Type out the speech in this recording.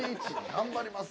頑張ります。